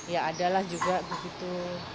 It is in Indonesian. ya adalah juga begitu